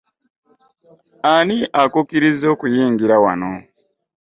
Ani akukiriza okuyingira wano?